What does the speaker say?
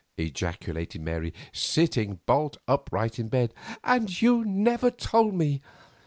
ejaculated Mary, sitting bolt upright in bed, "and you never told me!